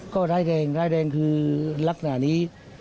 ก็ร้ายแรงร้ายแรงคือลักษณะนี้